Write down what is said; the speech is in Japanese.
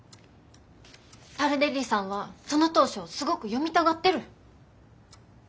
タルデッリさんはその投書をすごく読みたがってる。